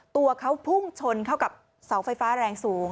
ตัวเขาพุ่งชนเข้ากับเสาไฟฟ้าแรงสูง